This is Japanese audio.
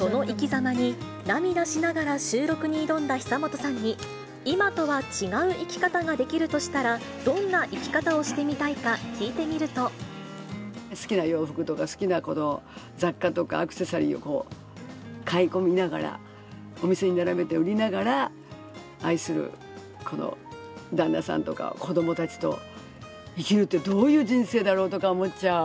ざまに涙しながら収録に挑んだ久本さんに、今とは違う生き方ができるとしたら、どんな生き方をしてみたいか、聞いてみる好きな洋服とか、好きなこの雑貨とか、アクセサリーを買い込みながら、お店に並べて、売りながら、愛する旦那さんとか、子どもたちと生きるって、どういう人生だろうとかって思っちゃう。